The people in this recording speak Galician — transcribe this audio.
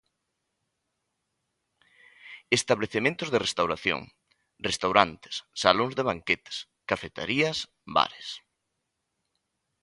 Establecementos de restauración: Restaurantes, salóns de banquetes, Cafetarías, Bares.